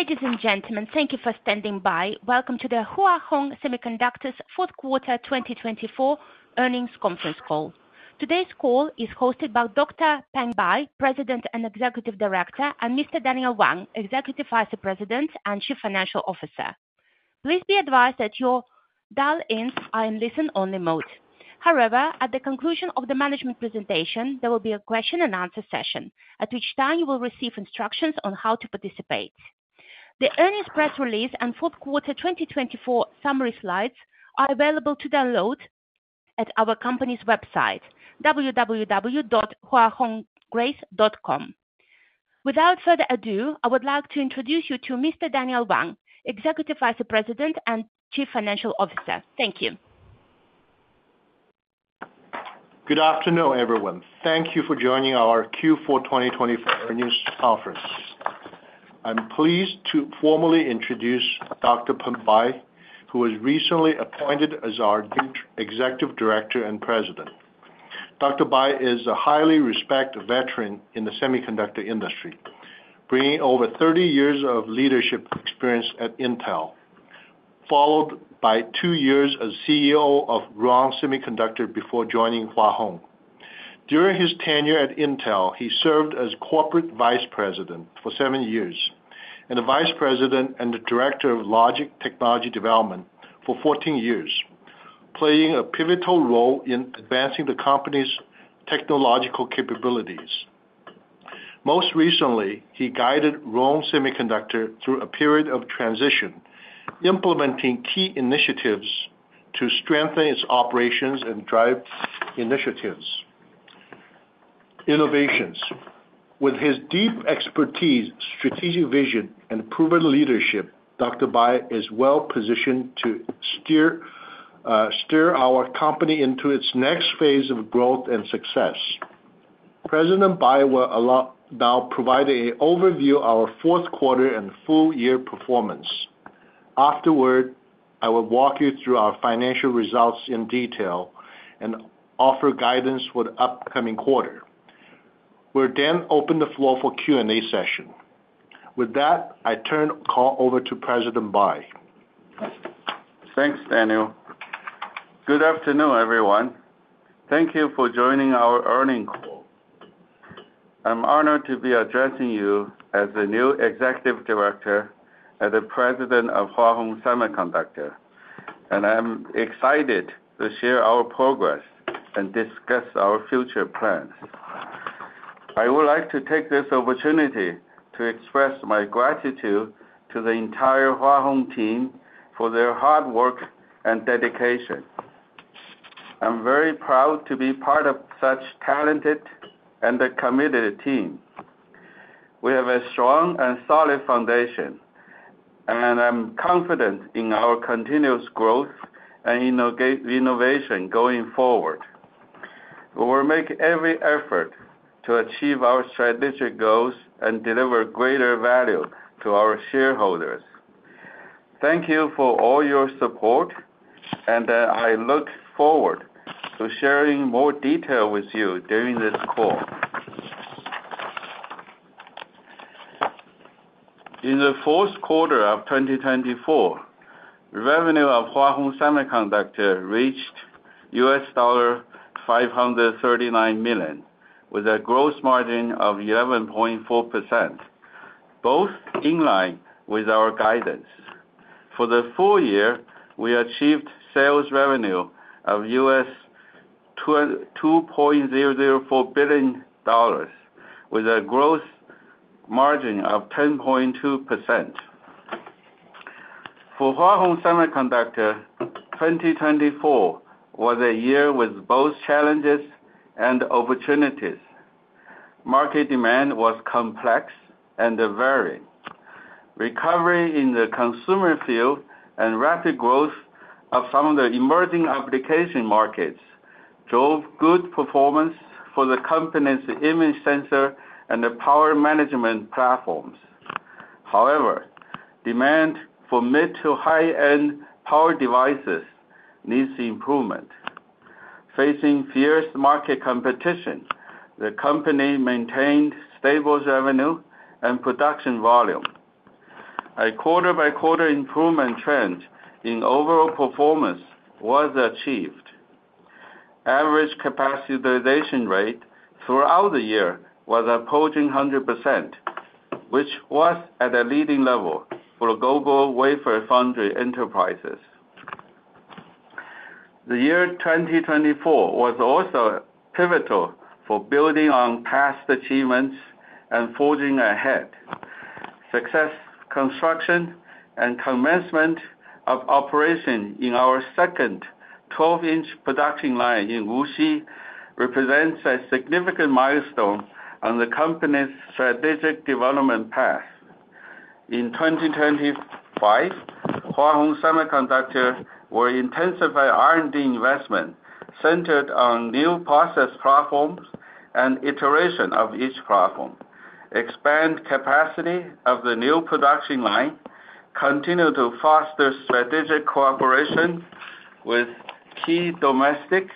Ladies and gentlemen, thank you for standing by. Welcome to the Hua Hong Semiconductor's Fourth Quarter 2024 Earnings Conference Call. Today's call is hosted by Dr. Peng Bai, President and Executive Director, and Mr. Daniel Wang, Executive Vice President and Chief Financial Officer. Please be advised that your dial-ins are in listen-only mode. However, at the conclusion of the management presentation, there will be a question-and-answer session, at which time you will receive instructions on how to participate. The earnings press release and Fourth Quarter 2024 summary slides are available to download at our company's website, www.huahonggrace.com. Without further ado, I would like to introduce you to Mr. Daniel Wang, Executive Vice President and Chief Financial Officer. Thank you. Good afternoon, everyone. Thank you for joining our Q4 2024 earnings conference. I'm pleased to formally introduce Dr. Peng Bai, who was recently appointed as our Executive Director and President. Dr. Bai is a highly respected veteran in the semiconductor industry, bringing over 30 years of leadership experience at Intel, followed by two years as CEO of Rong Semiconductor before joining Hua Hong. During his tenure at Intel, he served as Corporate Vice President for seven years and Vice President and Director of Logic Technology Development for 14 years, playing a pivotal role in advancing the company's technological capabilities. Most recently, he guided Rong Semiconductor through a period of transition, implementing key initiatives to strengthen its operations and drive initiatives, innovations. With his deep expertise, strategic vision, and proven leadership, Dr. Bai is well positioned to steer our company into its next phase of growth and success. President Bai will now provide an overview of our fourth quarter and full-year performance. Afterward, I will walk you through our financial results in detail and offer guidance for the upcoming quarter. We'll then open the floor for Q&A session. With that, I turn the call over to President Bai. Thanks, Daniel. Good afternoon, everyone. Thank you for joining our earnings call. I'm honored to be addressing you as the new Executive Director and the President of Hua Hong Semiconductor, and I'm excited to share our progress and discuss our future plans. I would like to take this opportunity to express my gratitude to the entire Hua Hong team for their hard work and dedication. I'm very proud to be part of such a talented and committed team. We have a strong and solid foundation, and I'm confident in our continuous growth and innovation going forward. We will make every effort to achieve our strategic goals and deliver greater value to our shareholders. Thank you for all your support, and I look forward to sharing more details with you during this call. In the fourth quarter of 2024, revenue of Hua Hong Semiconductor reached $539 million, with a gross margin of 11.4%, both in line with our guidance. For the full year, we achieved sales revenue of $2.004 billion, with a gross margin of 10.2%. For Hua Hong Semiconductor, 2024 was a year with both challenges and opportunities. Market demand was complex and varying. Recovery in the consumer field and rapid growth of some of the emerging application markets drove good performance for the company's image sensor and power management platforms. However, demand for mid- to high-end power devices needs improvement. Facing fierce market competition, the company maintained stable revenue and production volume. A quarter-by-quarter improvement trend in overall performance was achieved. Average capacity utilization rate throughout the year was approaching 100%, which was at a leading level for global wafer foundry enterprises. The year 2024 was also pivotal for building on past achievements and forging ahead. The success, construction, and commencement of operation in our second 12-inch production line in Wuxi represents a significant milestone on the company's strategic development path. In 2025, Hua Hong Semiconductor will intensify R&D investment centered on new process platforms and iteration of each platform, expand capacity of the new production line, continue to foster strategic cooperation with key domestic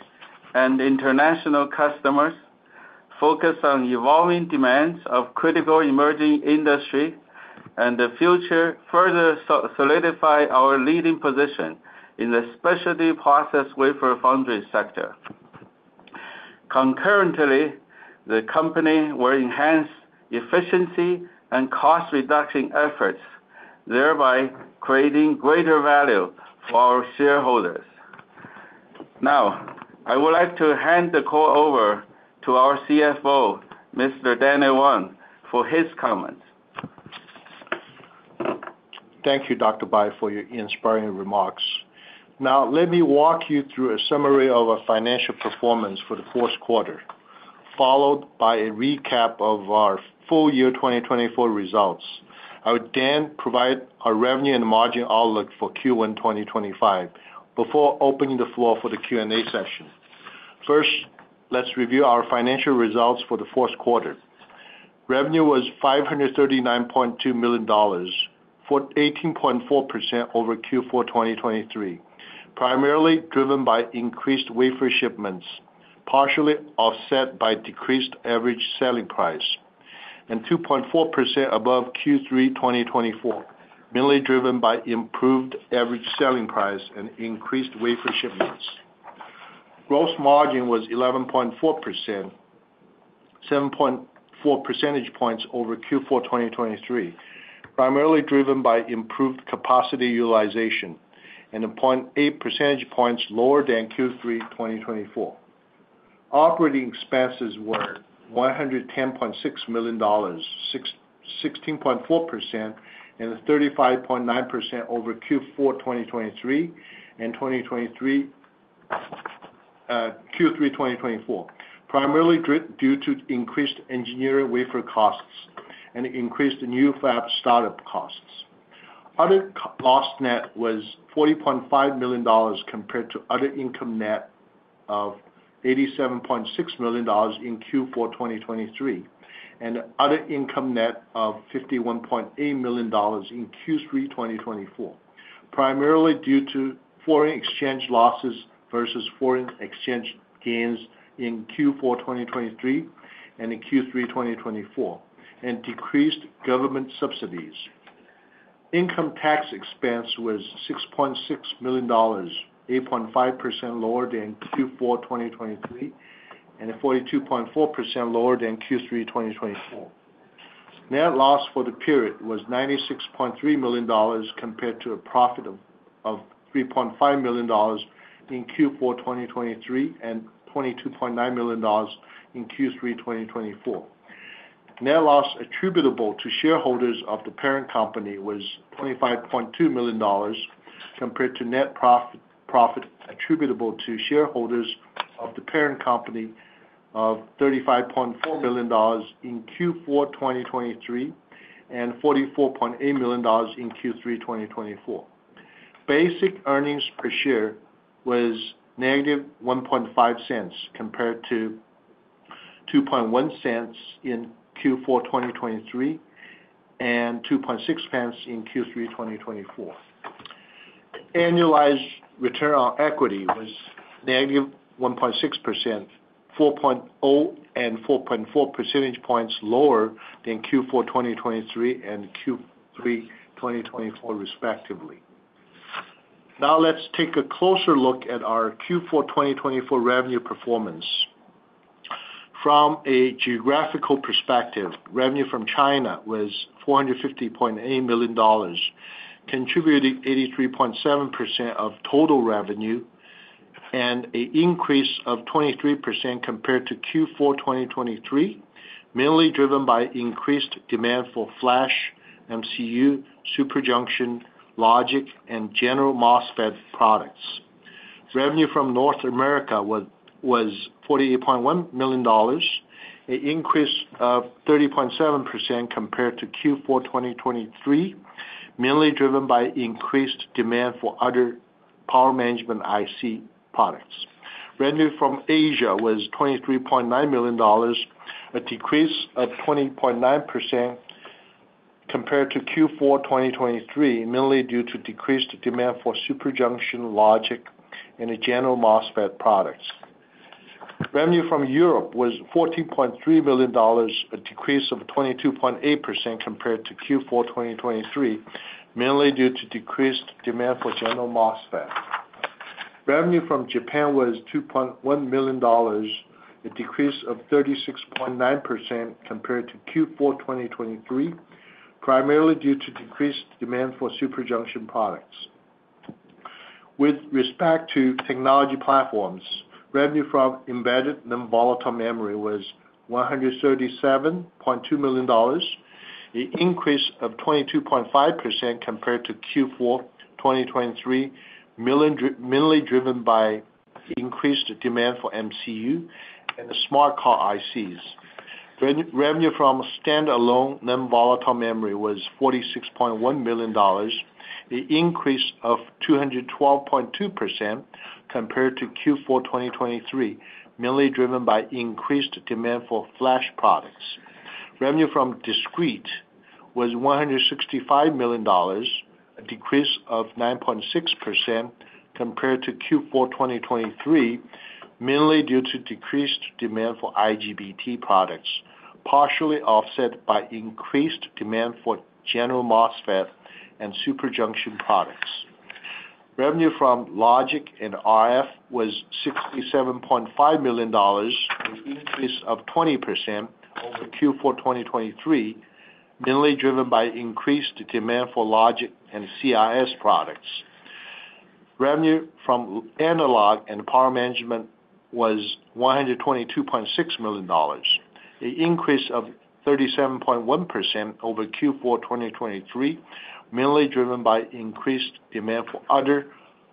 and international customers, focus on evolving demands of critical emerging industries, and in the future further solidify our leading position in the specialty process wafer foundry sector. Concurrently, the company will enhance efficiency and cost-reduction efforts, thereby creating greater value for our shareholders. Now, I would like to hand the call over to our CFO, Mr. Daniel Wang, for his comments. Thank you, Dr. Bai, for your inspiring remarks. Now, let me walk you through a summary of our financial performance for the fourth quarter, followed by a recap of our full-year 2024 results. I will then provide our revenue and margin outlook for Q1 2025 before opening the floor for the Q&A session. First, let's review our financial results for the fourth quarter. Revenue was $539.2 million, 18.4% over Q4 2023, primarily driven by increased wafer shipments, partially offset by decreased average selling price, and 2.4% above Q3 2024, mainly driven by improved average selling price and increased wafer shipments. Gross margin was 11.4%, 7.4 percentage points over Q4 2023, primarily driven by improved capacity utilization and 0.8 percentage points lower than Q3 2024. Operating expenses were $110.6 million, 16.4%, and 35.9% over Q4 2023 and Q3 2024, primarily due to increased engineering wafer costs and increased new fab startup costs. Other cost net was $40.5 million compared to other income net of $87.6 million in Q4 2023 and other income net of $51.8 million in Q3 2024, primarily due to foreign exchange losses versus foreign exchange gains in Q4 2023 and Q3 2024, and decreased government subsidies. Income tax expense was $6.6 million, 8.5% lower than Q4 2023 and 42.4% lower than Q3 2024. Net loss for the period was $96.3 million compared to a profit of $3.5 million in Q4 2023 and $22.9 million in Q3 2024. Net loss attributable to shareholders of the parent company was $25.2 million compared to net profit attributable to shareholders of the parent company of $35.4 million in Q4 2023 and $44.8 million in Q3 2024. Basic earnings per share was -$0.015 compared to $0.021 in Q4 2023 and $0.026 in Q3 2024. Annualized return on equity was -1.6%, 4.0 and 4.4 percentage points lower than Q4 2023 and Q3 2024, respectively. Now, let's take a closer look at our Q4 2024 revenue performance. From a geographical perspective, revenue from China was $450.8 million, contributing 83.7% of total revenue and an increase of 23% compared to Q4 2023, mainly driven by increased demand for flash, MCU, superjunction, logic, and general MOSFET products. Revenue from North America was $48.1 million, an increase of 30.7% compared to Q4 2023, mainly driven by increased demand for other power management IC products. Revenue from Asia was $23.9 million, a decrease of 20.9% compared to Q4 2023, mainly due to decreased demand for superjunction, logic, and general MOSFET products. Revenue from Europe was $14.3 million, a decrease of 22.8% compared to Q4 2023, mainly due to decreased demand for general MOSFET. Revenue from Japan was $2.1 million, a decrease of 36.9% compared to Q4 2023, primarily due to decreased demand for superjunction products. With respect to technology platforms, revenue from embedded non-volatile memory was $137.2 million, an increase of 22.5% compared to Q4 2023, mainly driven by increased demand for MCU and smart card ICs. Revenue from standalone non-volatile memory was $46.1 million, an increase of 212.2% compared to Q4 2023, mainly driven by increased demand for flash products. Revenue from discrete was $165 million, a decrease of 9.6% compared to Q4 2023, mainly due to decreased demand for IGBT products, partially offset by increased demand for general MOSFET and superjunction products. Revenue from logic and RF was $67.5 million, an increase of 20% over Q4 2023, mainly driven by increased demand for logic and CIS products. Revenue from analog and power management was $122.6 million, an increase of 37.1% over Q4 2023, mainly driven by increased demand for other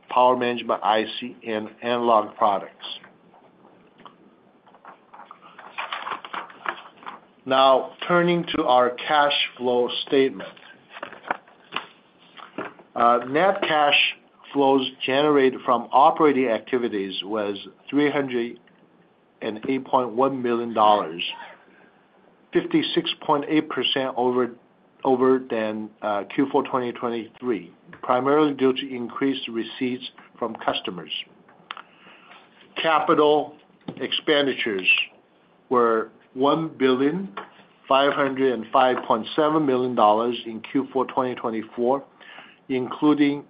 power management IC and analog products. Now, turning to our cash flow statement. Net cash flows generated from operating activities was $308.1 million, 56.8% over Q4 2023, primarily due to increased receipts from customers. Capital expenditures were $1.5057 billion in Q4 2024, including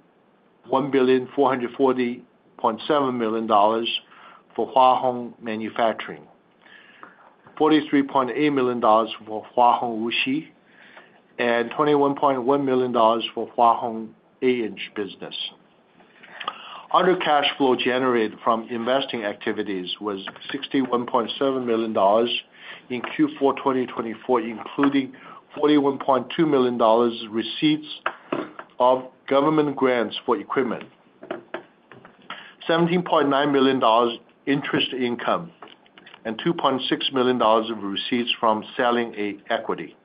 $1.4407 billion for Hua Hong Manufacturing, $43.8 million for Hua Hong Wuxi, and $21.1 million for Hua Hong 8-inch business. Other cash flow generated from investing activities was $61.7 million in Q4 2024, including $41.2 million receipts of government grants for equipment, $17.9 million interest income, and $2.6 million receipts from selling equity.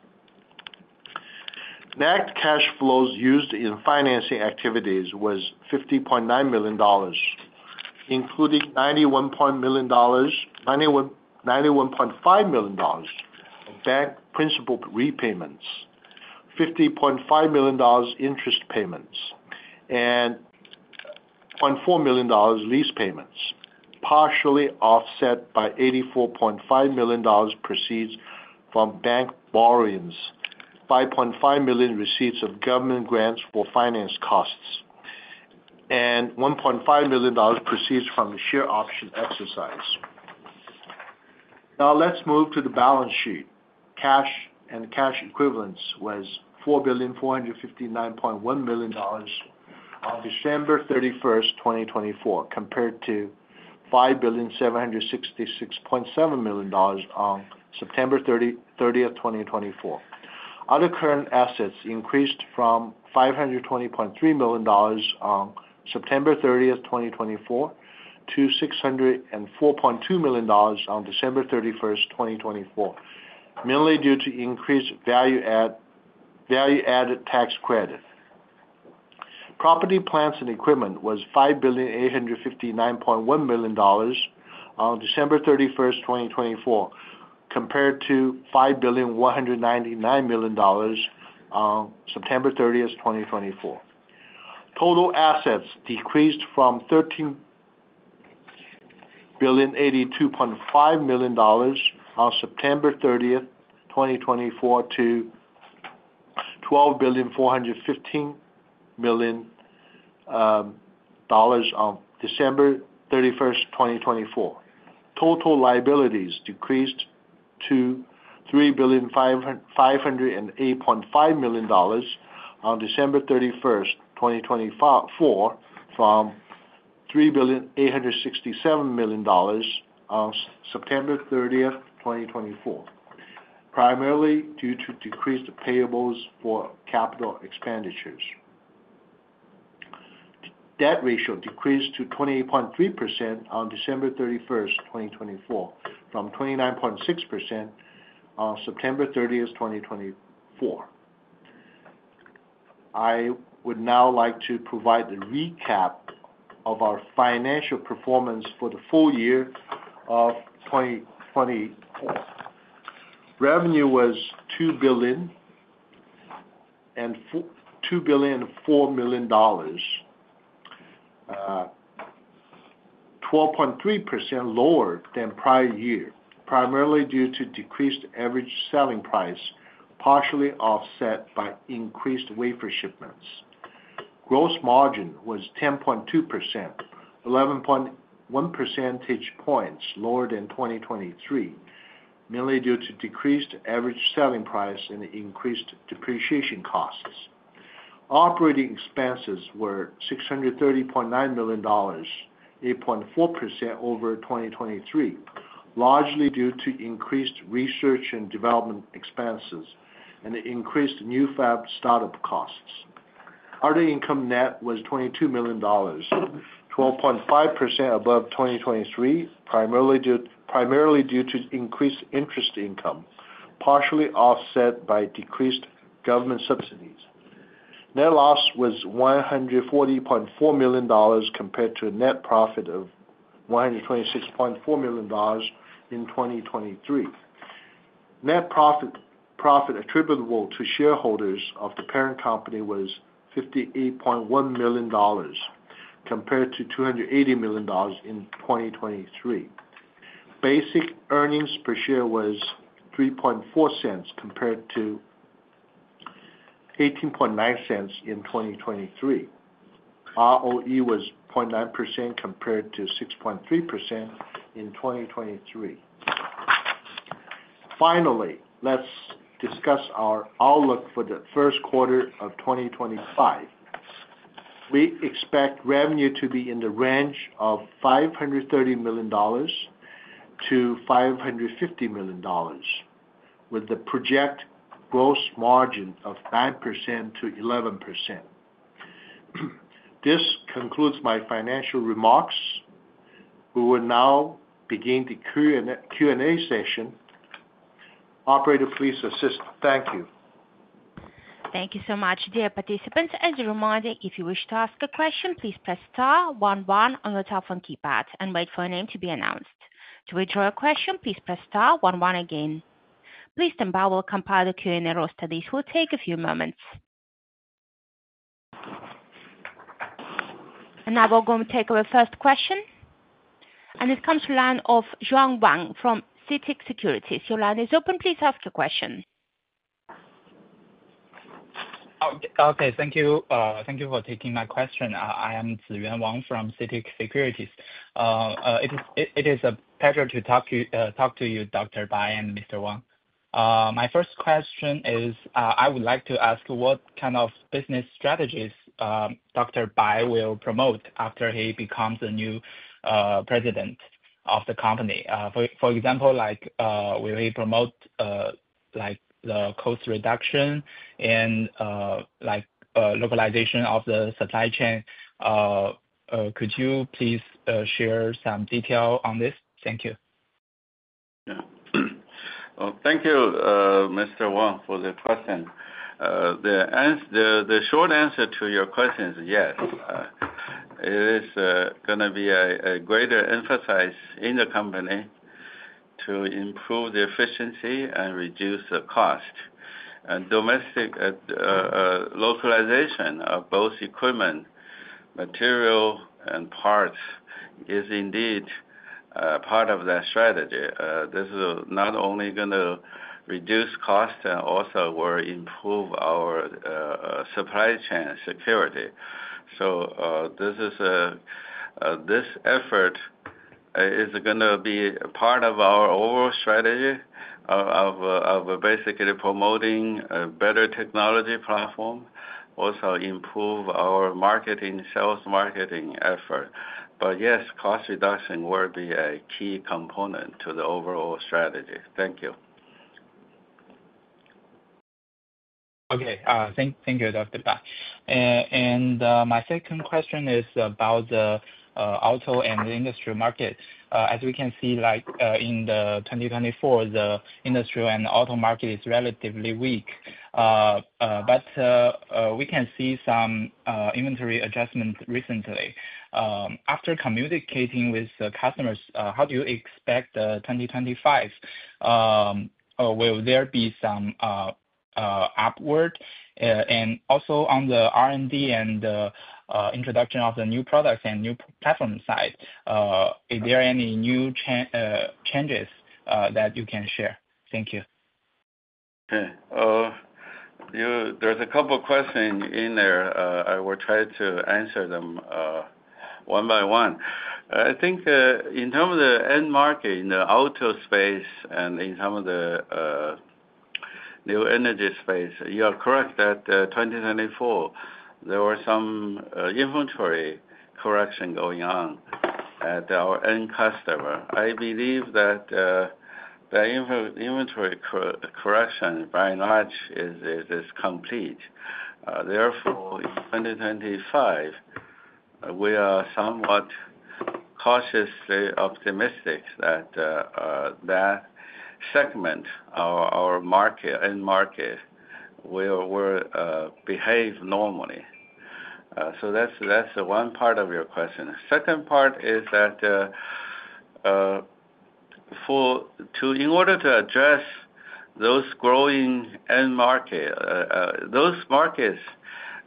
Net cash flows used in financing activities was $50.9 million, including $91.5 million bank principal repayments, $50.5 million interest payments, and $1.4 million lease payments, partially offset by $84.5 million proceeds from bank borrowings, $5.5 million receipts of government grants for finance costs, and $1.5 million proceeds from share option exercise. Now, let's move to the balance sheet. Cash and cash equivalents was $4.4591 billion on December 31, 2024, compared to $5.7667 billion on September 30, 2024. Other current assets increased from $520.3 million on September 30, 2024, to $604.2 million on December 31, 2024, mainly due to increased value-added tax credit. Property, plant, and equipment was $5.8591 billion on December 31, 2024, compared to $5.199 billion on September 30, 2024. Total assets decreased from $13.0825 billion on September 30, 2024, to $12.415 billion on December 31, 2024. Total liabilities decreased to $3.5085 billion on December 31, 2024, from $3.867 billion on September 30, 2024, primarily due to decreased payables for capital expenditures. Debt ratio decreased to 28.3% on December 31, 2024, from 29.6% on September 30, 2024. I would now like to provide the recap of our financial performance for the full year of 2024. Revenue was $2.004 billion, 12.3% lower than prior year, primarily due to decreased average selling price, partially offset by increased wafer shipments. Gross margin was 10.2%, 11.1 percentage points lower than 2023, mainly due to decreased average selling price and increased depreciation costs. Operating expenses were $630.9 million, 8.4% over 2023, largely due to increased research and development expenses and increased new fab startup costs. Other income, net was $22 million, 12.5% above 2023, primarily due to increased interest income, partially offset by decreased government subsidies. Net loss was $140.4 million compared to a net profit of $126.4 million in 2023. Net profit attributable to shareholders of the parent company was $58.1 million compared to $280 million in 2023. Basic earnings per share was $0.034 compared to $0.189 in 2023. ROE was 0.9% compared to 6.3% in 2023. Finally, let's discuss our outlook for the first quarter of 2025. We expect revenue to be in the range of $530 million-$550 million, with the projected gross margin of 9%-11%. This concludes my financial remarks. We will now begin the Q&A session. Operator, please assist. Thank you. Thank you so much, dear participants. As a reminder, if you wish to ask a question, please press star one one on the top of the keypad and wait for a name to be announced. To withdraw a question, please press star one one again. Please stand by while we'll compile the Q&A roster. This will take a few moments. Now we're going to take our first question. It comes from the line of Ziyuan Wang from CITIC Securities. Your line is open. Please ask your question. Okay. Thank you. Thank you for taking my question. I am Ziyuan Wang from CITIC Securities. It is a pleasure to talk to you, Dr. Bai and Mr. Wang. My first question is, I would like to ask what kind of business strategies Dr. Bai will promote after he becomes the new president of the company. For example, will he promote the cost reduction and localization of the supply chain? Could you please share some detail on this? Thank you. Thank you, Mr. Wang, for the question. The short answer to your question is yes. It is going to be a greater emphasis in the company to improve the efficiency and reduce the cost, and localization of both equipment, material, and parts is indeed part of that strategy. This is not only going to reduce costs and also will improve our supply chain security, so this effort is going to be part of our overall strategy of basically promoting a better technology platform, also improve our marketing, sales marketing effort, but yes, cost reduction will be a key component to the overall strategy. Thank you. Okay. Thank you, Dr. Bai, and my second question is about the auto and the industrial market. As we can see, in 2024, the industrial and auto market is relatively weak, but we can see some inventory adjustment recently. After communicating with customers, how do you expect 2025? Will there be some upward? And also on the R&D and the introduction of the new products and new platform side, are there any new changes that you can share? Thank you. Okay. There's a couple of questions in there. I will try to answer them one by one. I think in terms of the end market in the auto space and in some of the new energy space, you are correct that 2024, there were some inventory correction going on at our end customer. I believe that the inventory correction by and large is complete. Therefore, in 2025, we are somewhat cautiously optimistic that that segment, our end market, will behave normally. So that's one part of your question. Second part is that in order to address those growing end markets, those markets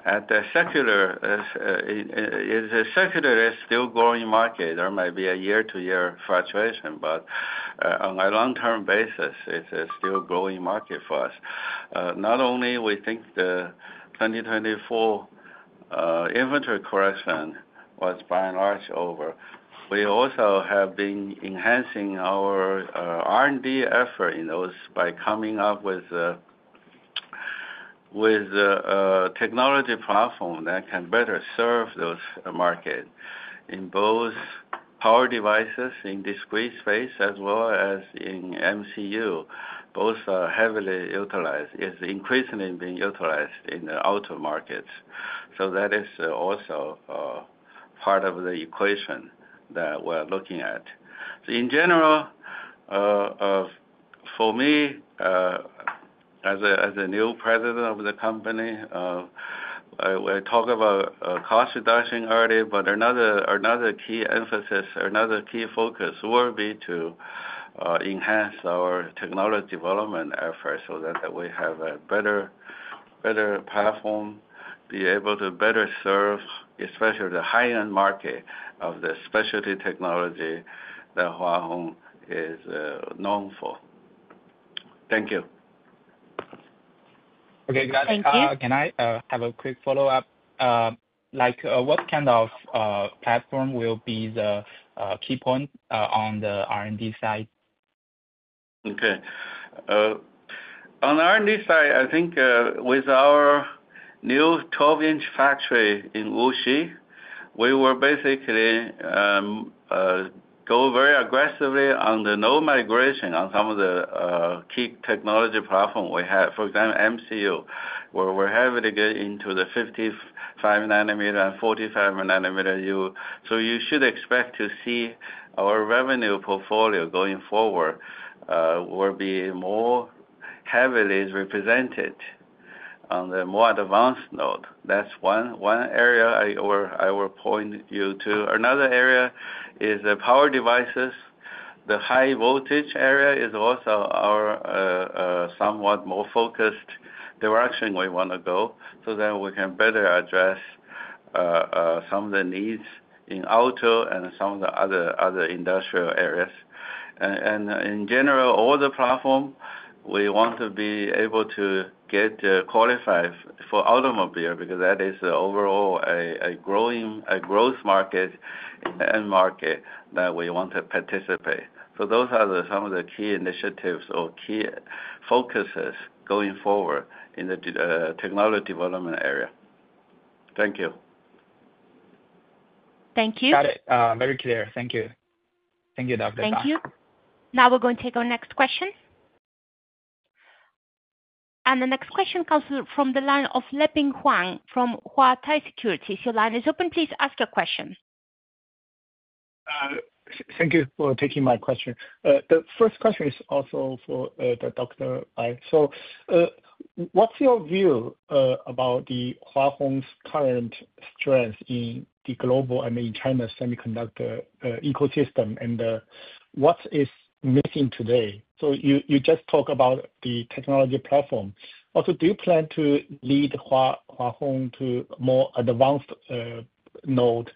at the secular, the secular is still growing market. There might be a year-to-year fluctuation, but on a long-term basis, it's a still growing market for us. Not only do we think the 2024 inventory correction was by and large over, we also have been enhancing our R&D effort in those by coming up with a technology platform that can better serve those markets in both power devices in discrete space as well as in MCU. Both are heavily utilized. It's increasingly being utilized in the auto markets. So that is also part of the equation that we're looking at. So in general, for me, as a new president of the company, we talk about cost reduction already, but another key emphasis, another key focus will be to enhance our technology development efforts so that we have a better platform, be able to better serve, especially the high-end market of the specialty technology that Hua Hong is known for. Thank you. Okay. Can I have a quick follow-up? What kind of platform will be the key point on the R&D side? Okay. On the R&D side, I think with our new 12-inch factory in Wuxi, we will basically go very aggressively on the node migration on some of the key technology platform we have. For example, MCU, where we're having to get into the 55 nanometer and 45 nanometer. So you should expect to see our revenue portfolio going forward will be more heavily represented on the more advanced node. That's one area I will point you to. Another area is the power devices. The high voltage area is also our somewhat more focused direction we want to go so that we can better address some of the needs in auto and some of the other industrial areas. And in general, all the platform, we want to be able to get qualified for automobile because that is overall a growth market, an end market that we want to participate. So those are some of the key initiatives or key focuses going forward in the technology development area. Thank you. Thank you. Got it. Very clear. Thank you. Thank you, Dr. Bai. Thank you. Now we're going to take our next question. And the next question comes from the line of Leping Huang from Huatai Securities. Your line is open. Please ask your question. Thank you for taking my question. The first question is also for Dr. Bai. So what's your view about the Hua Hong's current strength in the global and in China semiconductor ecosystem? And what is missing today? So you just talked about the technology platform. Also, do you plan to lead Hua Hong to a more advanced node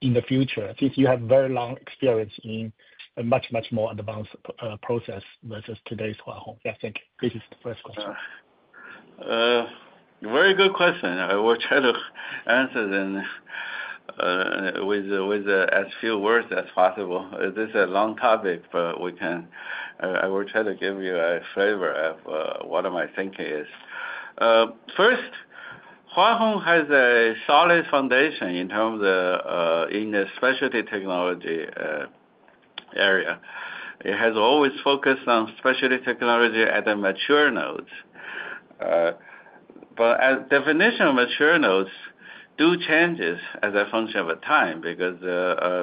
in the future? Since you have very long experience in a much, much more advanced process versus today's Hua Hong. Yeah. Thank you. This is the first question. Very good question. I will try to answer them with as few words as possible. This is a long topic, but I will try to give you a flavor of what my thinking is. First, Hua Hong has a solid foundation in the specialty technology area. It has always focused on specialty technology at the mature nodes. But as definition of mature nodes do changes as a function of time because,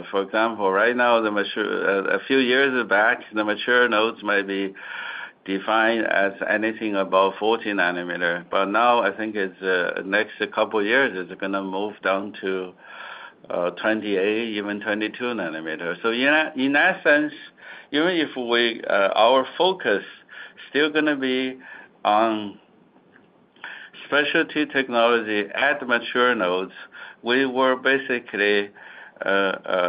for example, right now, a few years back, the mature nodes might be defined as anything above 40 nanometer. But now, I think the next couple of years is going to move down to 28, even 22 nanometer. In that sense, even if our focus is still going to be on specialty technology at the mature nodes, we will basically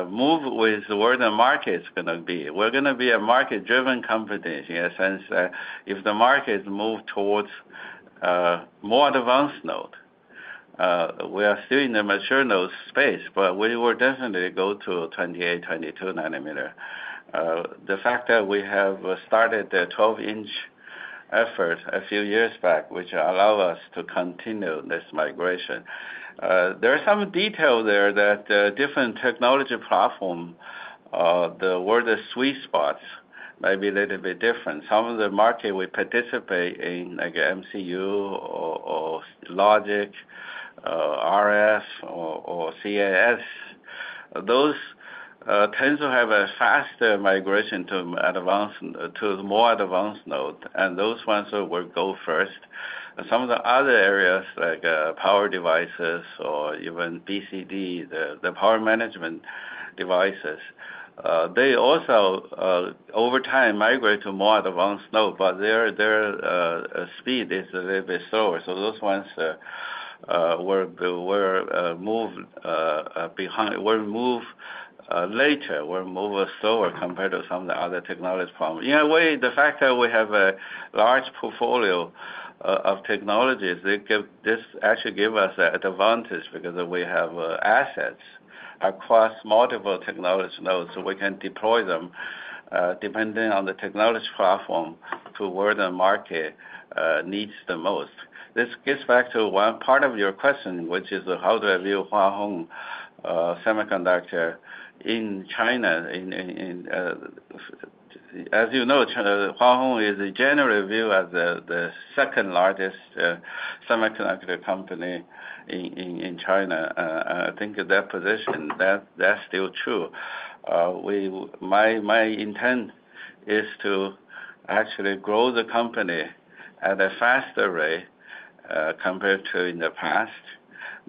move with where the market's going to be. We're going to be a market-driven company in the sense that if the market moves towards a more advanced node, we are still in the mature node space, but we will definitely go to 28- and 22-nanometer. The fact that we have started the 12-inch effort a few years back, which allows us to continue this migration. There are some details there that different technology platforms, where the sweet spots might be a little bit different. Some of the market we participate in, like MCU or logic, RF, or CIS, those tend to have a faster migration to more advanced nodes, and those ones will go first. Some of the other areas, like power devices or even BCD, the power management devices, they also, over time, migrate to more advanced nodes, but their speed is a little bit slower. So those ones will move later, will move slower compared to some of the other technology platforms. The fact that we have a large portfolio of technologies, this actually gives us an advantage because we have assets across multiple technology nodes. So we can deploy them depending on the technology platform to where the market needs the most. This gets back to one part of your question, which is how do I view Hua Hong Semiconductor in China? As you know, Hua Hong is generally viewed as the second largest semiconductor company in China. I think that position, that's still true. My intent is to actually grow the company at a faster rate compared to in the past.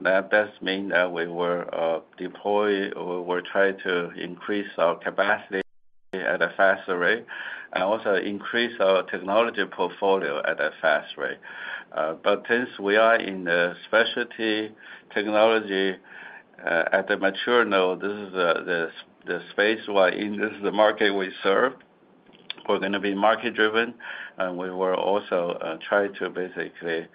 That does mean that we will deploy or try to increase our capacity at a faster rate and also increase our technology portfolio at a faster rate. But since we are in the specialty technology at the mature node, this is the space in the market we serve. We're going to be market-driven, and we will also try to basically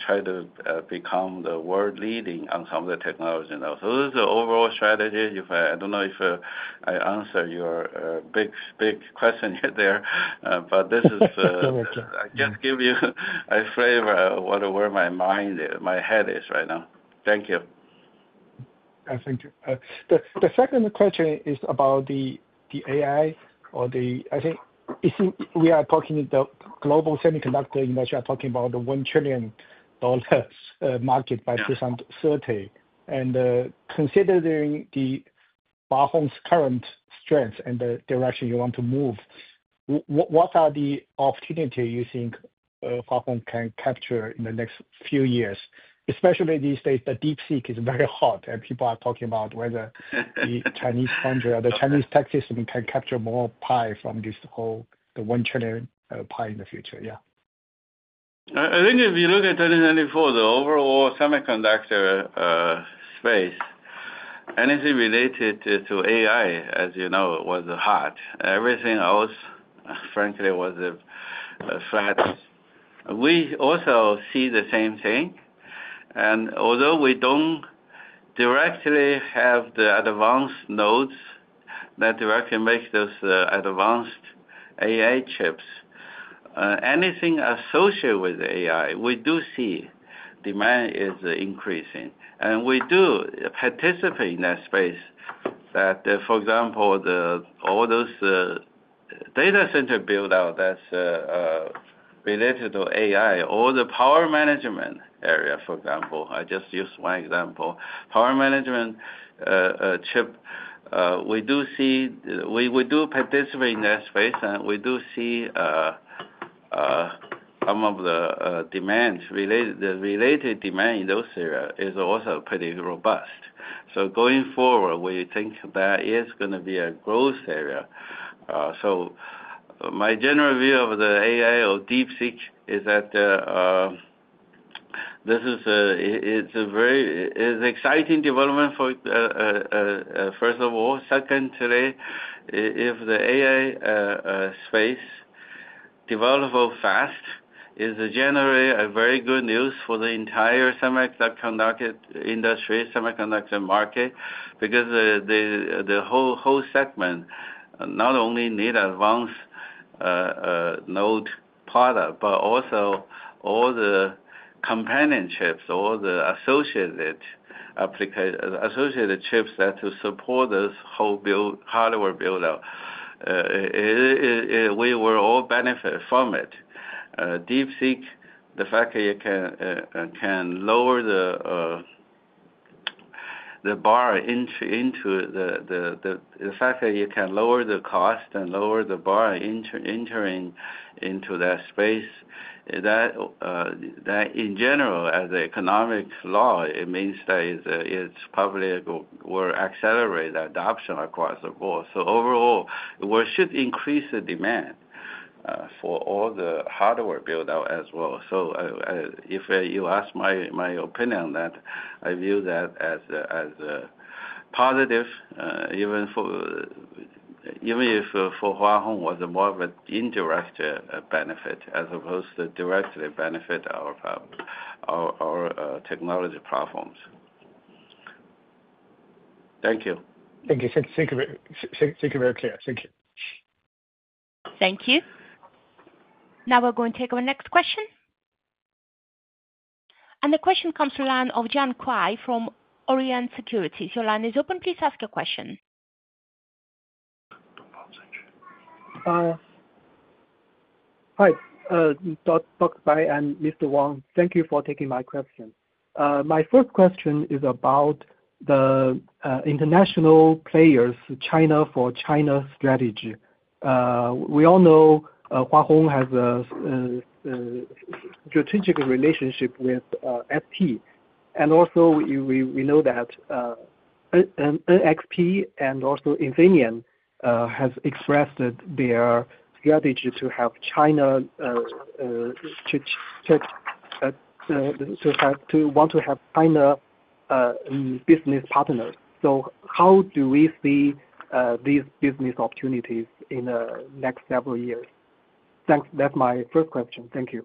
try to become the world leading on some of the technology nodes. So this is the overall strategy. I don't know if I answered your big question here, but this is just giving you a flavor of where my mind is, my head is right now. Thank you. Thank you. The second question is about the AI, or the, I think we are talking the global semiconductor industry are talking about the $1 trillion market by 2030. Considering the Hua Hong's current strength and the direction you want to move, what are the opportunities you think Hua Hong can capture in the next few years? Especially these days, the DeepSeek is very hot, and people are talking about whether the Chinese tech system can capture more pie from this whole $1 trillion pie in the future. Yeah. I think if you look at 2024, the overall semiconductor space, anything related to AI, as you know, was hot. Everything else, frankly, was flat. We also see the same thing. And although we don't directly have the advanced nodes that directly make those advanced AI chips, anything associated with AI, we do see demand is increasing. And we do participate in that space that, for example, all those data center build-out that's related to AI, all the power management area, for example. I just used one example. Power management chip, we do see, we do participate in that space, and we do see some of the demand-related demand in those areas is also pretty robust. So going forward, we think that is going to be a growth area. So my general view of the AI or DeepSeek is that this is an exciting development for, first of all. Second, today, if the AI space develops fast, it's generally very good news for the entire semiconductor industry, semiconductor market, because the whole segment not only needs advanced node product, but also all the companion chips, all the associated chips that support this whole hardware build-out. We will all benefit from it. DeepSeek, the fact that you can lower the bar into the fact that you can lower the cost and lower the bar entering into that space, that in general, as an economic law, it means that it's probably will accelerate adoption across the board. So overall, we should increase the demand for all the hardware build-out as well. So if you ask my opinion on that, I view that as positive, even if for Hua Hong was more of an indirect benefit as opposed to directly benefit our technology platforms. Thank you. Thank you. Thank you, very clear. Thank you. Thank you. Now we're going to take our next question. And the question comes from the line of Jian Kuai from Orient Securities. Your line is open. Please ask your question. Hi. Dr. Bai and Mr. Wang, thank you for taking my question. My first question is about the international players, China for China strategy. We all know Hua Hong has a strategic relationship with ST. And also, we know that NXP and also Infineon have expressed their strategy to have China to want to have China business partners. So how do we see these business opportunities in the next several years? That's my first question. Thank you.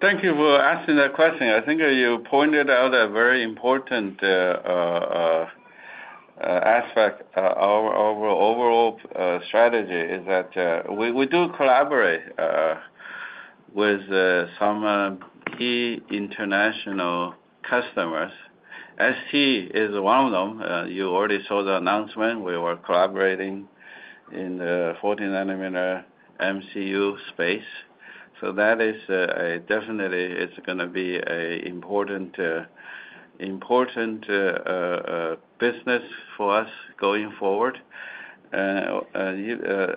Thank you for asking that question. I think you pointed out a very important aspect of our overall strategy is that we do collaborate with some key international customers. ST is one of them. You already saw the announcement. We were collaborating in the 40-nanometer MCU space. So that is definitely going to be an important business for us going forward. And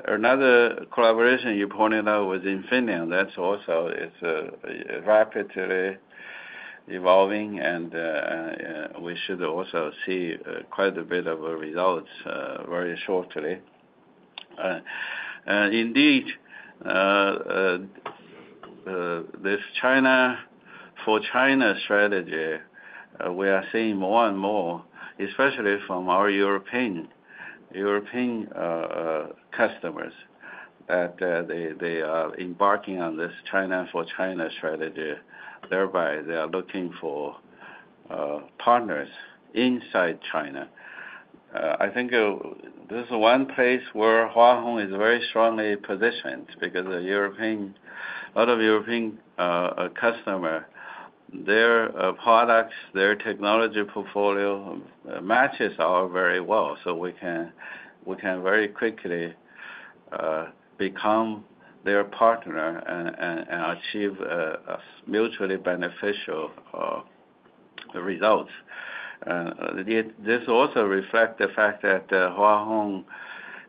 another collaboration you pointed out was Infineon. That's also rapidly evolving, and we should also see quite a bit of results very shortly. And indeed, this China for China strategy, we are seeing more and more, especially from our European customers, that they are embarking on this China for China strategy. Thereby, they are looking for partners inside China. I think this is one place where Hua Hong is very strongly positioned because a lot of European customers, their products, their technology portfolio matches ours very well. So we can very quickly become their partner and achieve mutually beneficial results. And this also reflects the fact that Hua Hong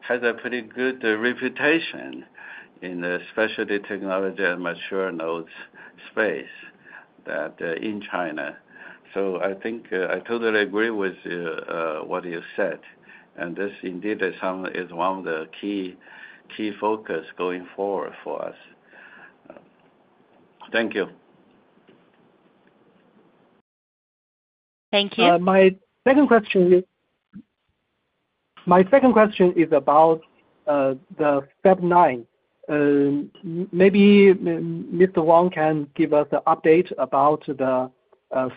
has a pretty good reputation in the specialty technology and mature nodes space in China. So I think I totally agree with what you said. And this indeed is one of the key focuses going forward for us. Thank you. Thank you. My second question is about the Fab 9. Maybe Mr. Wang can give us an update about the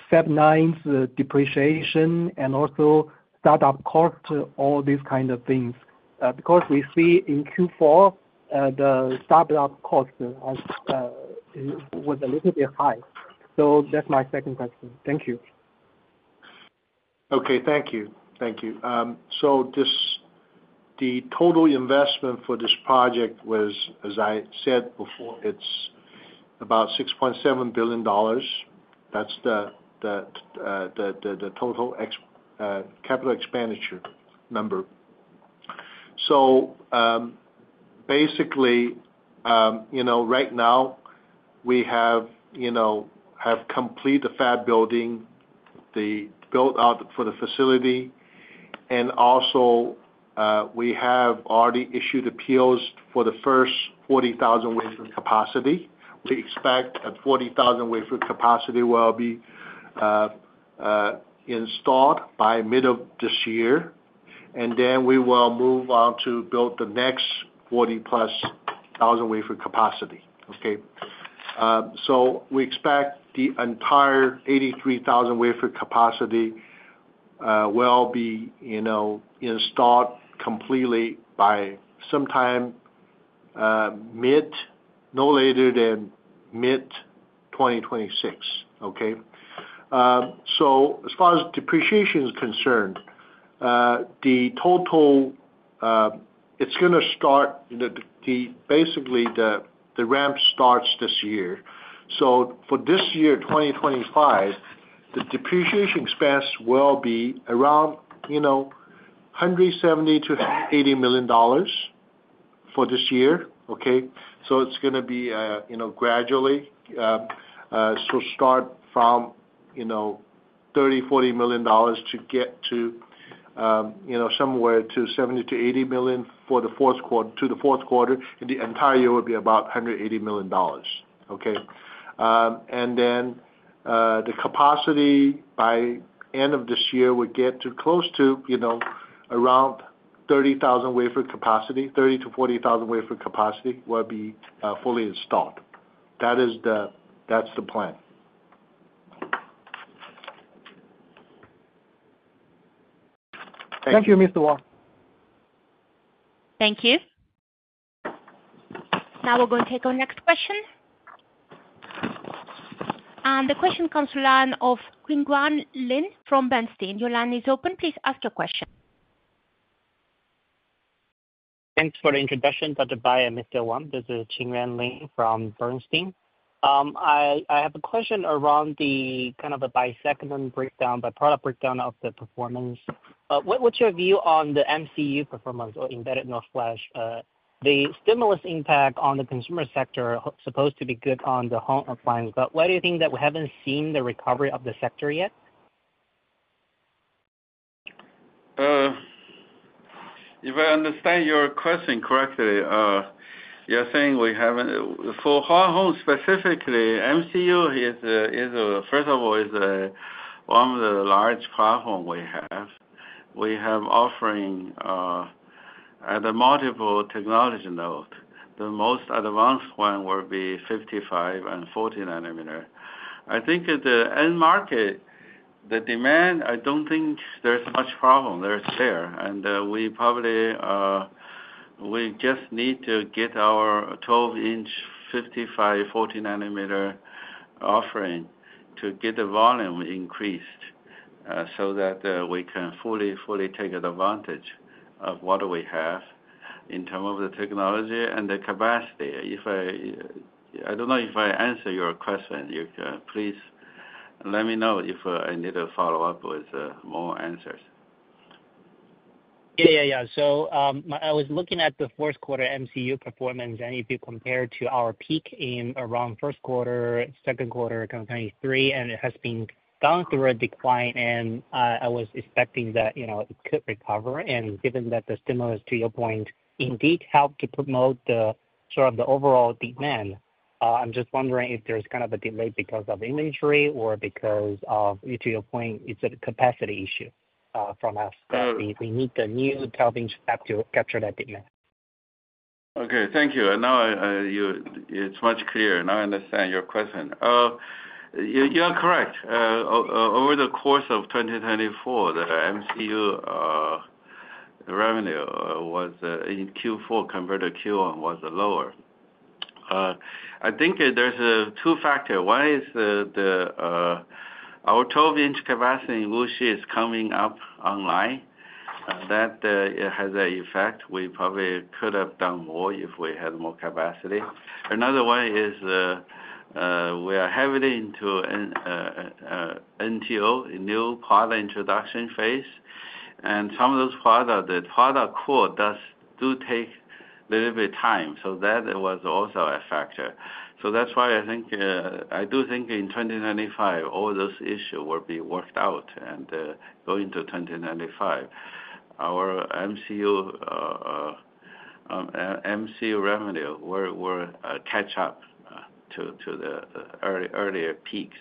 Fab 9's depreciation and also startup cost, all these kinds of things. Because we see in Q4, the startup cost was a little bit high. So that's my second question. Thank you. Okay. Thank you. Thank you. So the total investment for this project was, as I said before, it's about $6.7 billion. That's the total capital expenditure number. So basically, right now, we have completed the fab building, the build-out for the facility. And also, we have already issued appeals for the first 40,000 wafer capacity. We expect that 40,000 wafer capacity will be installed by mid of this year. And then we will move on to build the next 40+ thousand wafer capacity. Okay? So we expect the entire 83,000 wafer capacity will be installed completely by sometime no later than mid-2026. Okay? So as far as depreciation is concerned, the total it's going to start basically the ramp starts this year. So for this year, 2025, the depreciation expense will be around $170million-$180 million for this year. Okay? So it's going to be gradually. So start from $30 million-$40 million to get to somewhere to $70 million-$80 million to the fourth quarter. In the entire year, it will be about $180 million. Okay? And then the capacity by end of this year, we get close to around 30,000 wafer capacity, 30,000-40,000 wafer capacity will be fully installed. That's the plan. Thank you. Thank you, Mr. Wang. Thank you. Now we're going to take our next question, and the question comes from the line of Qingyuan Lin from Bernstein. Your line is open. Please ask your question. Thanks for the introduction, Dr. Bai and Mr. Wang. This is Qingyuan Lin from Bernstein. I have a question around the kind of the sector breakdown, the product breakdown of the performance. What's your view on the MCU performance or embedded NOR flash? The stimulus impact on the consumer sector is supposed to be good on the home appliance. But why do you think that we haven't seen the recovery of the sector yet? If I understand your question correctly, you're saying we haven't. For Hua Hong specifically, MCU, first of all, is one of the large platforms we have. We have offering at multiple technology nodes. The most advanced one will be 55 and 40 nanometer. I think at the end market, the demand, I don't think there's much problem there. We just need to get our 12-inch 55, 40 nanometer offering to get the volume increased so that we can fully take advantage of what we have in terms of the technology and the capacity. I don't know if I answered your question. Please let me know if I need to follow up with more answers. Yeah, yeah, yeah. I was looking at the fourth quarter MCU performance, and if you compare it to our peak in around first quarter, second quarter, 2023, and it has been down through a decline, and I was expecting that it could recover. Given that the stimulus, to your point, indeed helped to promote sort of the overall demand, I'm just wondering if there's kind of a delay because of inventory or because of, to your point, it's a capacity issue from us that we need the new 12-inch capture that demand. Okay. Thank you. Now it's much clearer. Now I understand your question. You are correct. Over the course of 2024, the MCU revenue in Q4 compared to Q1 was lower. I think there's two factors. One is our 12-inch capacity, which is coming up online, that has an effect. We probably could have done more if we had more capacity. Another one is we are heavily into NTO, new product introduction phase. And some of those products, the product core does take a little bit of time. So that was also a factor. So that's why I think I do think in 2025, all those issues will be worked out and go into 2025. Our MCU revenue will catch up to the earlier peaks.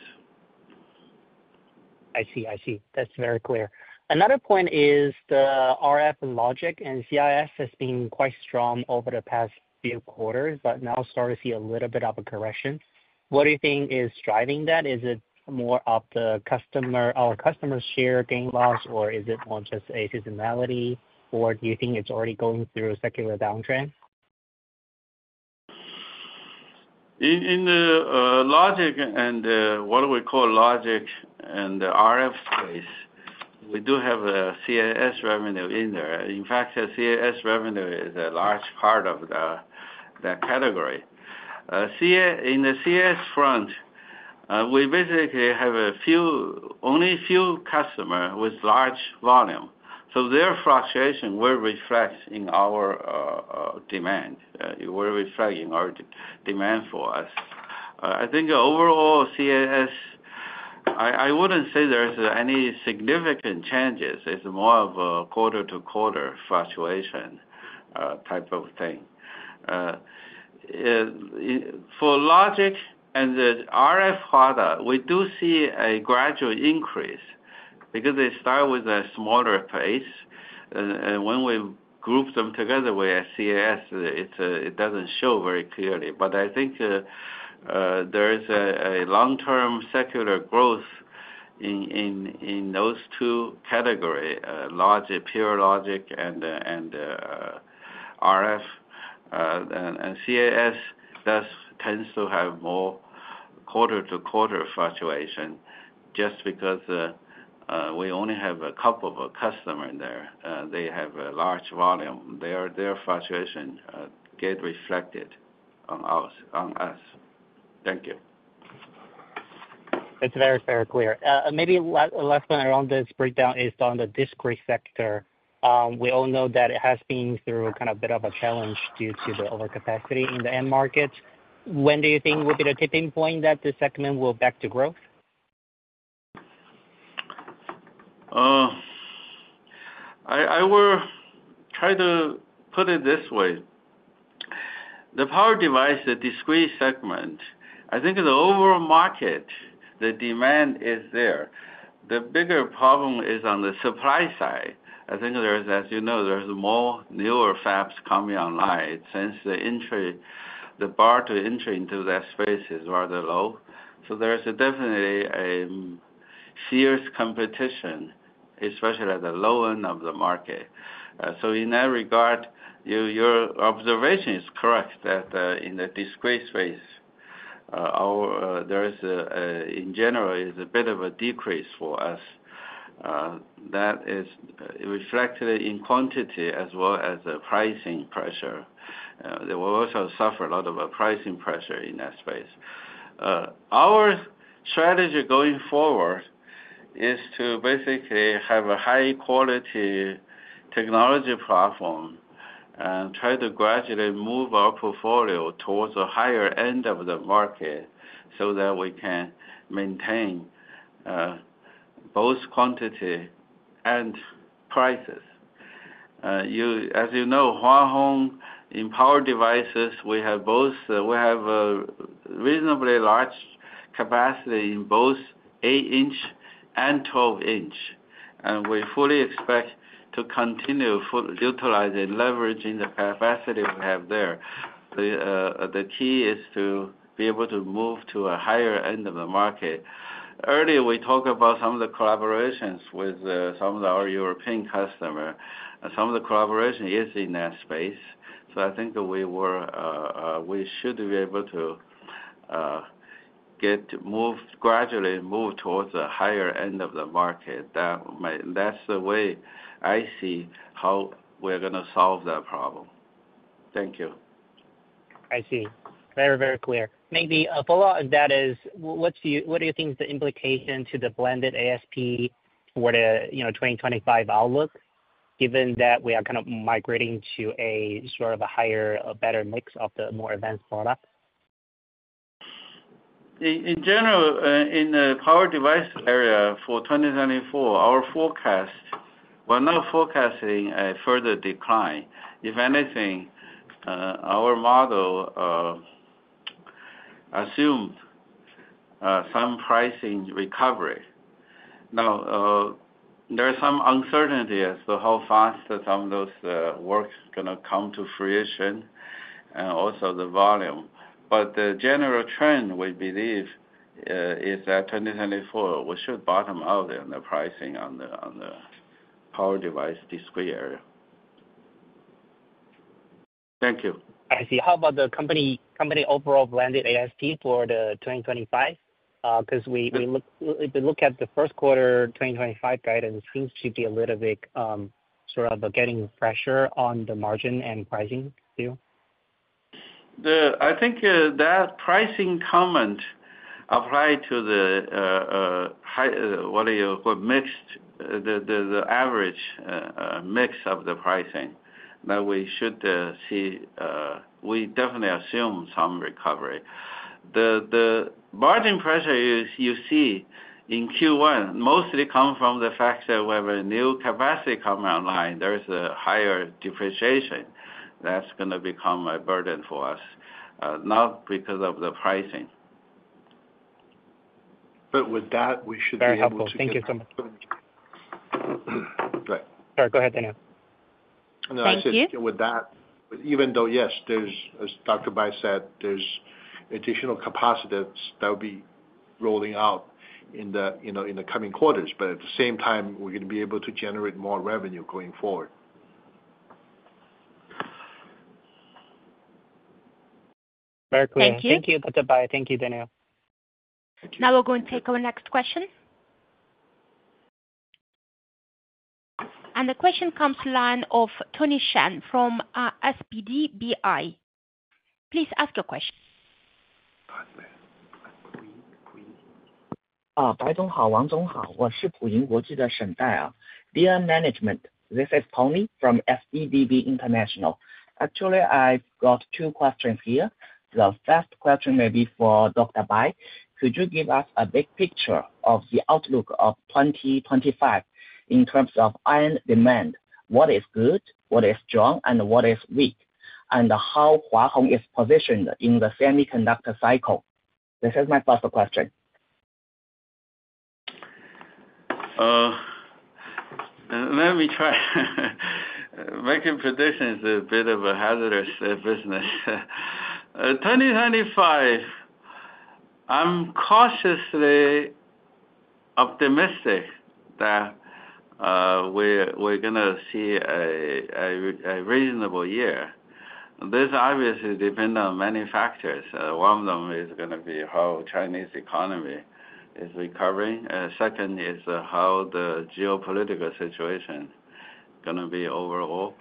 I see. I see. That's very clear. Another point is the RF logic and CIS has been quite strong over the past few quarters, but now started to see a little bit of a correction. What do you think is driving that? Is it more of our customers' share gain loss, or is it more just a seasonality, or do you think it's already going through a secular downtrend? In the logic and what we call logic and the RF space, we do have CIS revenue in there. In fact, CIS revenue is a large part of that category. In the CIS front, we basically have only a few customers with large volume. Their fluctuation will reflect in our demand. It will reflect in our demand for us. I think overall, CIS, I wouldn't say there's any significant changes. It's more of a quarter-to-quarter fluctuation type of thing. For logic and the RF product, we do see a gradual increase because they start with a smaller place. And when we group them together with CIS, it doesn't show very clearly. But I think there's a long-term secular growth in those two categories, logic, pure logic, and RF. And CIS does tend to have more quarter-to-quarter fluctuation just because we only have a couple of customers there. They have a large volume. Their fluctuation gets reflected on us. Thank you. That's very, very clear. Maybe last one around this breakdown is on the discrete sector. We all know that it has been through kind of a bit of a challenge due to the overcapacity in the end market. When do you think will be the tipping point that the segment will back to growth? I will try to put it this way. The power device, the discrete segment, I think in the overall market, the demand is there. The bigger problem is on the supply side. I think there's, as you know, there's more newer fabs coming online since the bar to enter into that space is rather low. So there's definitely a fierce competition, especially at the low end of the market. So in that regard, your observation is correct that in the discrete space, there is, in general, a bit of a decrease for us. That is reflected in quantity as well as pricing pressure. We also suffer a lot of pricing pressure in that space. Our strategy going forward is to basically have a high-quality technology platform and try to gradually move our portfolio towards the higher end of the market so that we can maintain both quantity and prices. As you know, Hua Hong in power devices, we have reasonably large capacity in both 8-inch and 12-inch, and we fully expect to continue utilizing and leveraging the capacity we have there. The key is to be able to move to a higher end of the market. Earlier, we talked about some of the collaborations with some of our European customers. Some of the collaboration is in that space. So I think we should be able to gradually move towards the higher end of the market. That's the way I see how we're going to solve that problem. Thank you. I see. Very, very clear. Maybe a follow-up of that is, what do you think is the implication to the blended ASP for the 2025 outlook, given that we are kind of migrating to a sort of a higher, a better mix of the more advanced product? In general, in the power device area for 2024, our forecast, we're not forecasting a further decline. If anything, our model assumed some pricing recovery. Now, there's some uncertainty as to how fast some of those works are going to come to fruition and also the volume. But the general trend we believe is that 2024, we should bottom out in the pricing on the power device discrete area. Thank you. I see. How about the company overall blended ASP for the 2025? Because if we look at the first quarter 2025 guidance, it seems to be a little bit sort of getting pressure on the margin and pricing too. I think that pricing comment applied to the, what do you call, mix, the average mix of the pricing that we should see. We definitely assume some recovery. The margin pressure you see in Q1 mostly comes from the fact that we have a new capacity coming online. There's a higher depreciation that's going to become a burden for us, not because of the pricing. But with that, we should be able to keep. Thank you so much. Sorry. Go ahead, Daniel. Thank you. Even though, yes, as Dr. Bai said, there's additional capacity that will be rolling out in the coming quarters. But at the same time, we're going to be able to generate more revenue going forward. Very clear. Thank you. Thank you, Dr. Bai. Thank you, Daniel. Thank you. Now we're going to take our next question, and the question comes to the line of Tony Shen from SPDBI. Please ask your question. This is Tony from SPDB International. Actually, I've got two questions here. The first question may be for Dr. Bai. Could you give us a big picture of the outlook of 2025 in terms of end demand? What is good, what is strong, and what is weak, and how Hua Hong is positioned in the semiconductor cycle? This is my first question. Let me try. Making predictions is a bit of a hazardous business. 2025, I'm cautiously optimistic that we're going to see a reasonable year. This obviously depends on many factors. One of them is going to be how the Chinese economy is recovering. Second is how the geopolitical situation is going to be overall.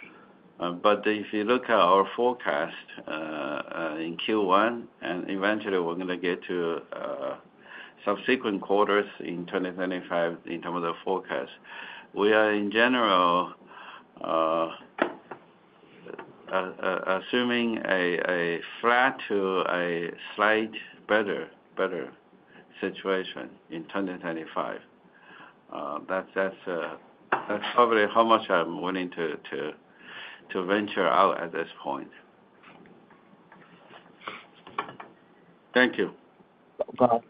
But if you look at our forecast in Q1, and eventually we're going to get to subsequent quarters in 2025 in terms of forecast, we are in general assuming a flat to a slight better situation in 2025. That's probably how much I'm willing to venture out at this point. Thank you. Got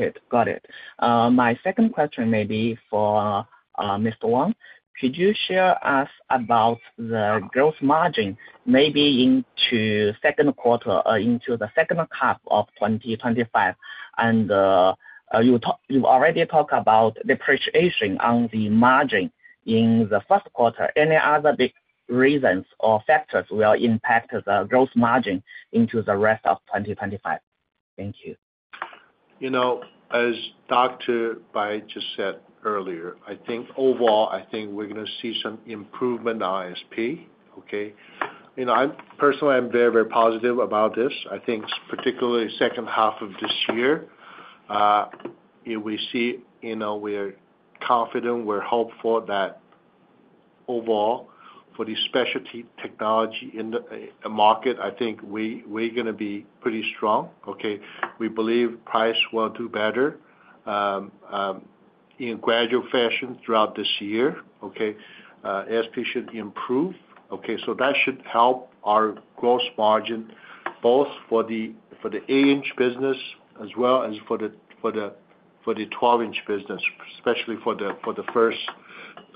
it. Got it. My second question may be for Mr. Wang. Could you share with us about the gross margin maybe into second quarter or into the second half of 2025? And you've already talked about depreciation on the margin in the first quarter. Any other reasons or factors will impact the gross margin into the rest of 2025? Thank you. As Dr. Bai just said earlier, I think overall, I think we're going to see some improvement on ASP, okay? Personally, I'm very, very positive about this. I think particularly second half of this year, we see we're confident, we're hopeful that overall for the specialty technology market, I think we're going to be pretty strong, okay? We believe price will do better in a gradual fashion throughout this year, okay? ASP should improve, okay? So that should help our gross margin both for the 8-inch business as well as for the 12-inch business, especially for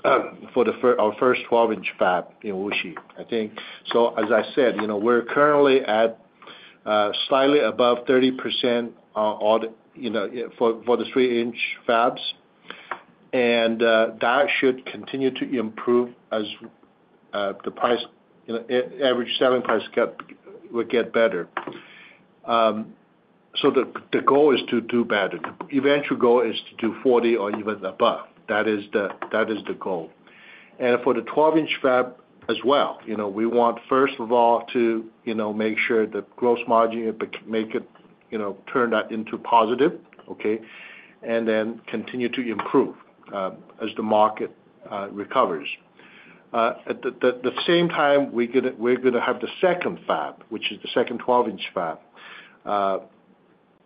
our first 12-inch fab in Wuxi, I think. So as I said, we're currently at slightly above 30% for the 8-inch fabs. And that should continue to improve as the average selling price will get better. So the goal is to do better. Eventual goal is to do 40% or even above. That is the goal. And for the 12-inch fab as well, we want first of all to make sure the gross margin can make it turn that into positive, okay? And then continue to improve as the market recovers. At the same time, we're going to have the second fab, which is the second 12-inch fab.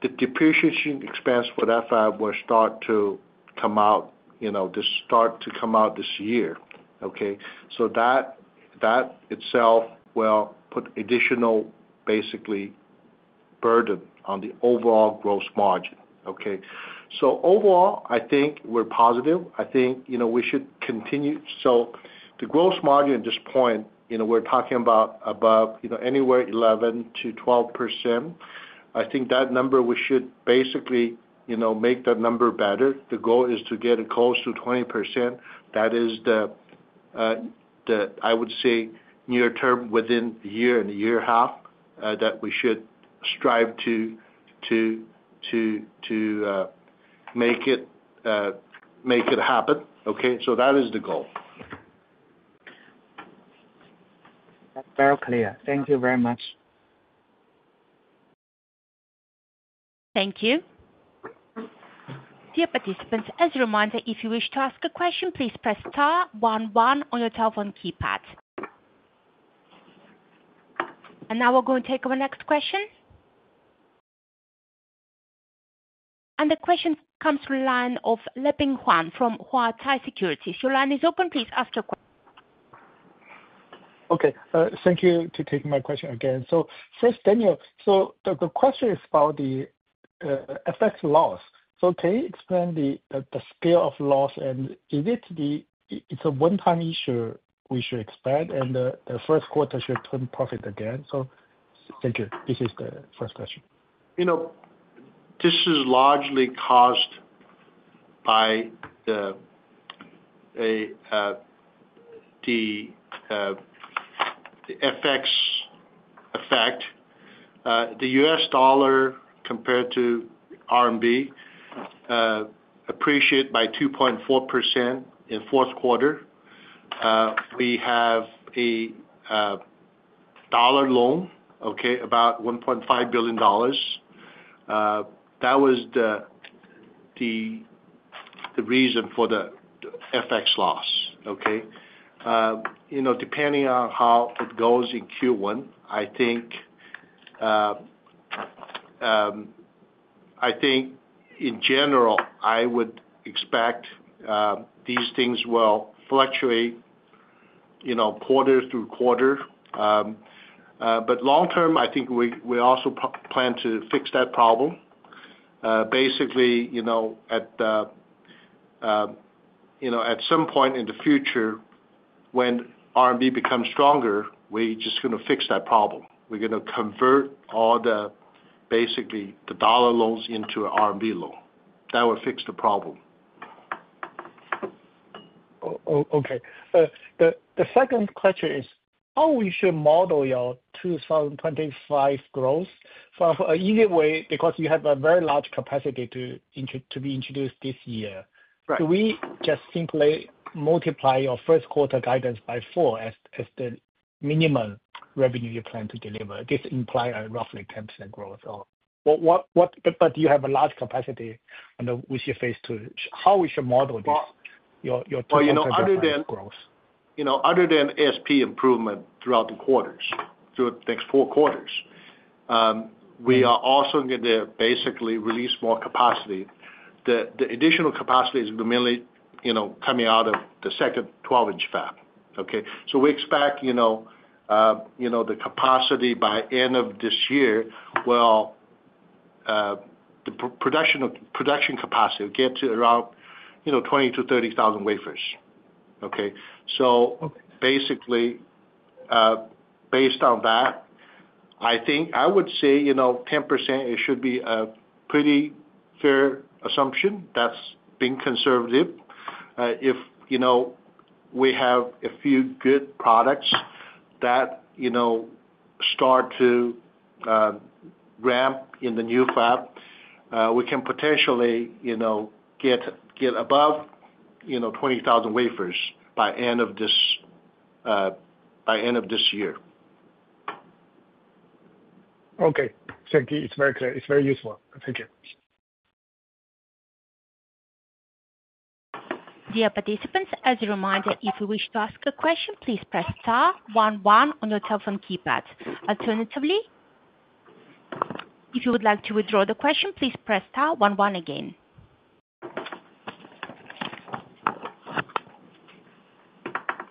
The depreciation expense for that fab will start to come out, start to come out this year, okay? So that itself will put additional, basically, burden on the overall gross margin, okay? So overall, I think we're positive. I think we should continue. So the gross margin at this point, we're talking about above anywhere 11%-12%. I think that number, we should basically make that number better. The goal is to get close to 20%. That is the, I would say, near-term within a year and a year and a half that we should strive to make it happen, okay? So that is the goal. That's very clear. Thank you very much. Thank you. Dear participants, as a reminder, if you wish to ask a question, please press star one one on your telephone keypad. Now we're going to take our next question. The question comes from the line of Leping Huang from Huatai Securities. If your line is open, please ask your question. Okay. Thank you for taking my question again. First, Daniel, the question is about the FX loss. Can you explain the scale of loss? And is it a one-time issue we should expect? And the first quarter should turn profit again? Thank you. This is the first question. This is largely caused by the FX effect. The U.S. dollar compared to RMB appreciated by 2.4% in fourth quarter. We have a dollar loan, okay, about $1.5 billion. That was the reason for the FX loss, okay? Depending on how it goes in Q1, I think in general, I would expect these things will fluctuate quarter through quarter. But long term, I think we also plan to fix that problem. Basically, at some point in the future, when RMB becomes stronger, we're just going to fix that problem. We're going to convert all the, basically, the dollar loans into an RMB loan. That will fix the problem. Okay. The second question is how we should model your 2025 growth. So for an easy way, because you have a very large capacity to be introduced this year, do we just simply multiply your first quarter guidance by four as the minimum revenue you plan to deliver? This implies roughly 10% growth. But you have a large capacity on the Wuxi phase two. How we should model this, your 2025 growth? Other than ASP improvement throughout the quarters, through the next four quarters, we are also going to basically release more capacity. The additional capacity is mainly coming out of the second 12-inch fab, okay? So we expect the capacity by end of this year. The production capacity will get to around 20,000-30,000 wafers, okay? So basically, based on that, I think I would say 10% should be a pretty fair assumption. That's being conservative. If we have a few good products that start to ramp in the new fab, we can potentially get above 20,000 wafers by end of this year. Okay. Thank you. It's very clear. It's very useful. Thank you. Dear participants, as a reminder, if you wish to ask a question, please press star one one on your telephone keypad. Alternatively, if you would like to withdraw the question, please press star one one again.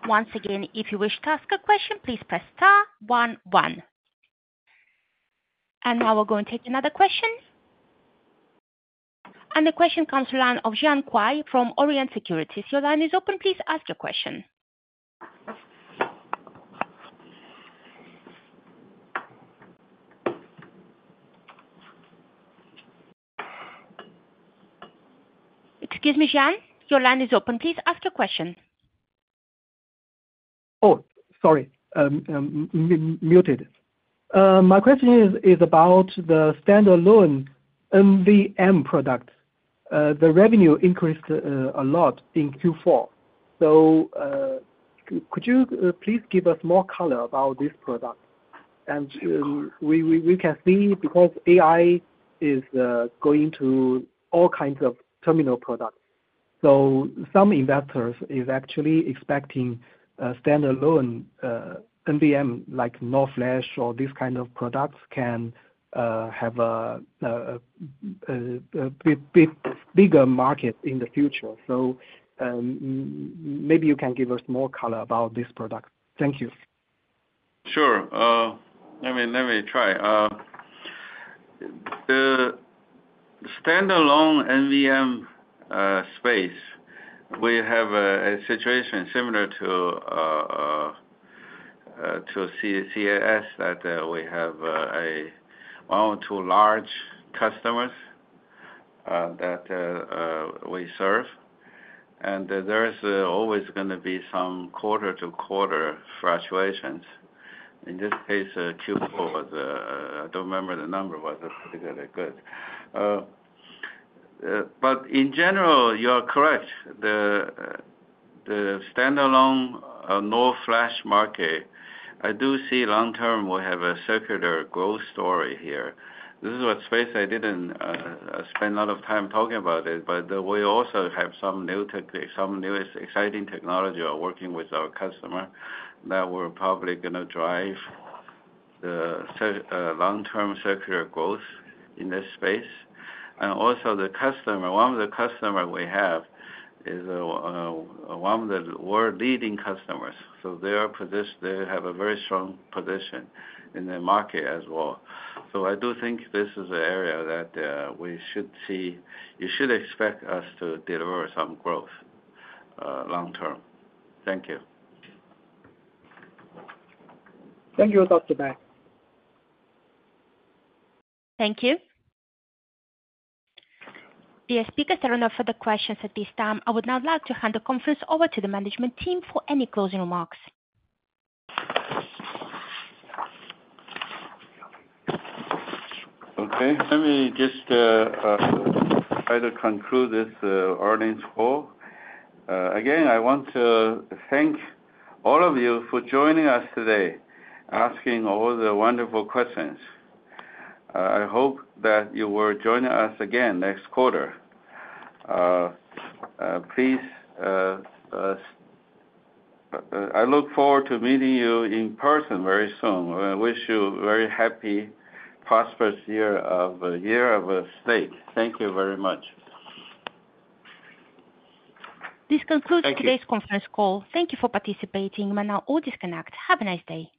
Once again, if you wish to ask a question, please press star one one. And now we're going to take another question. And the question comes to the line of Jian Kuai from Orient Securities. If your line is open, please ask your question. Excuse me, Jiang? Your line is open. Please ask your question. Oh, sorry. Muted. My question is about the standalone NVM product. The revenue increased a lot in Q4. Could you please give us more color about this product? And we can see because AI is going to all kinds of terminal products. So some investors are actually expecting standalone NVM like NOR flash or these kinds of products can have a bigger market in the future. So maybe you can give us more color about this product. Thank you. Sure. Let me try. The standalone NVM space, we have a situation similar to CIS that we have one or two large customers that we serve. And there's always going to be some quarter-to-quarter fluctuations. In this case, Q4, I don't remember the number, but it's particularly good. But in general, you are correct. The standalone NOR flash market, I do see long term we have a secular growth story here. This is a space I didn't spend a lot of time talking about it, but we also have some new exciting technology we're working with our customer that we're probably going to drive the long-term secular growth in this space. And also the customer, one of the customers we have is one of the world's leading customers. So they have a very strong position in the market as well. So I do think this is an area that we should see. You should expect us to deliver some growth long term. Thank you. Thank you, Dr. Bai. Thank you. The speakers are not afforded questions at this time. I would now like to hand the conference over to the management team for any closing remarks. Okay. Let me just try to conclude this earnings call. Again, I want to thank all of you for joining us today, asking all the wonderful questions. I hope that you will join us again next quarter. Please, I look forward to meeting you in person very soon. I wish you a very happy, prosperous Year of the Snake. Thank you very much. This concludes today's conference call. Thank you for participating. You may now all disconnect. Have a nice day.